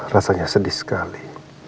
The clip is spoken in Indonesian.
rasanya sedih sekali